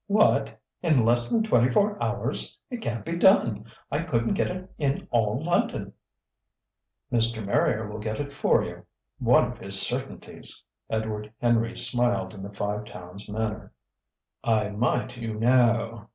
"What? In less than twenty four hours? It can't be done. I couldn't get it in all London." "Mr. Marrier will get it for you ... one of his certainties!" Edward Henry smiled in the Five Towns' manner. "I might, you knaoo!"